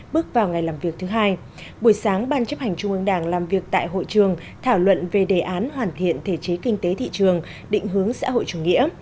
bữa sáng ban chấp hành trung ương đảng làm việc tại hội trường thảo luận về đề án hoàn thiện thể chế kinh tế thị trường định hướng xã hội chủ nghĩa